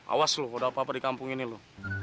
awas lu kalau ada apa apa di kampung ini lu